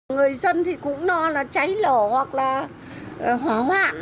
người dân thì cũng no là cháy lở hoặc là hỏa hoạn